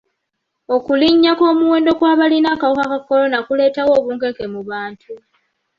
Okulinnya kw'omuwendo gw'abalina akawuka ka kolona kuleetawo obunkenke mu bantu.